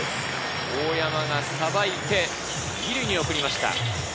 大山がさばいて、２塁に送りました。